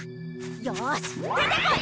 よし出てこい